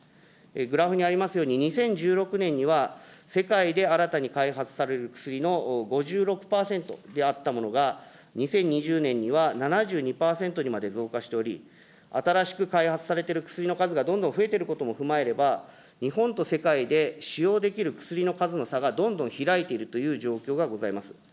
グラフにありますように、２０１６年では世界で新たに開発される薬の５６％であったものが、２０２０年に７２％にまで増加しており、新しく開発されている薬の数がどんどん増えていることも踏まえれば、日本と世界で使用できる薬の数の差がどんどん開いているという状況がございます。